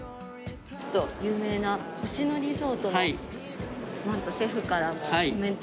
有名な星野リゾートのなんとシェフからのコメントが。